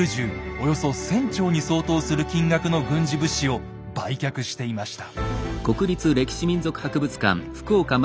およそ１，０００丁に相当する金額の軍事物資を売却していました。